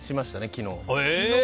昨日。